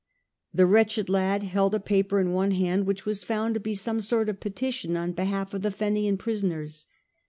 The wretched lad held a paper in one hand which was found to be some sort of petition on behalf of the Fenian prisoners.